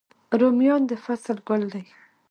رومیان د فصل ګل دی